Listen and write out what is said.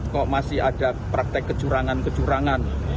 kok masih ada praktek kecurangan kecurangan